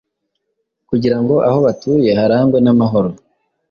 kugira ngo aho batuye harangwe n’amahoro.